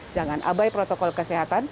jangan abai protokol kesehatan